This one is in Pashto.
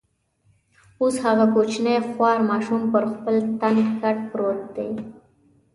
اوس هغه کوچنی خوار ماشوم پر خپل تنګ کټ پروت دی.